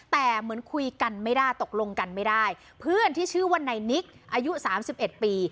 แต่เหมือนคุยกันไม่ได้ตกลงกันไม่ได้เพื่อนที่ชื่อว่านายนิกอายุสามสิบเอ็ดปี